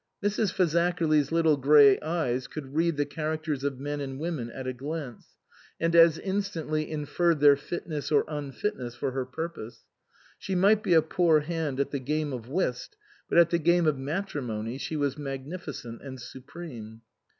Mrs. Fazakerly's little grey eyes could read the characters of men and women at a glance, and as instantly inferred their fitness or unfitness for her purpose. She might be a poor hand at the game of whist, but at the game of matri mony she was magnificent and supreme.